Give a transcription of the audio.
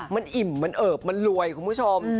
มันอิ่มมันเอิบมันรวยคุณผู้ชม